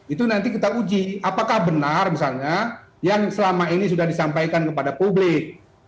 itu nanti kita uji apakah benar misalnya yang selama ini sudah disampaikan kepada publik